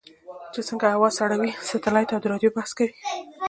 چې څنګه هوا سړوي سټلایټ او د رادیو بحث کوي.